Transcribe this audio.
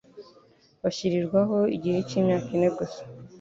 bashyirirwaho igihe cy imyaka ine gusa